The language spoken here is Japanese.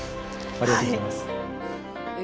ありがとうございます。